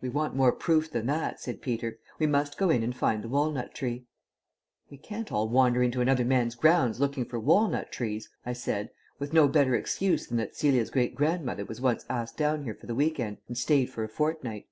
"We want more proof than that," said Peter. "We must go in and find the walnut tree." "We can't all wander into another man's grounds looking for walnut trees," I said, "with no better excuse than that Celia's great grandmother was once asked down here for the week end and stayed for a fortnight.